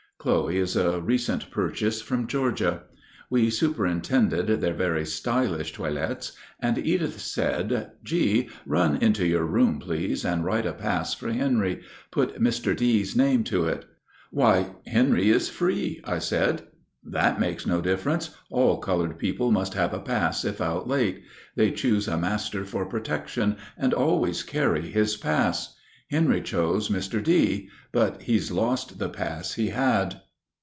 Chloe is a recent purchase from Georgia. We superintended their very stylish toilets, and Edith said, "G., run into your room, please, and write a pass for Henry. Put Mr. D.'s name to it." "Why, Henry is free," I said. "That makes no difference; all colored people must have a pass if out late. They choose a master for protection, and always carry his pass. Henry chose Mr. D., but he's lost the pass he had."